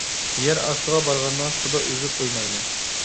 يەر ئاستىغا بارغاندا، سۇدا ئۈزۈپ ئوينايلى.